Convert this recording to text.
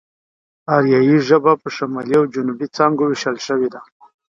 آريايي ژبه په شمالي او جنوبي څانگو وېشل شوې.